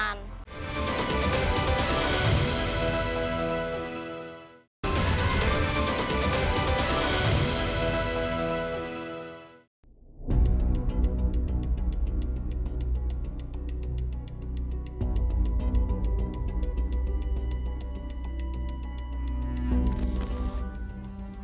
kenapa tidak mau makan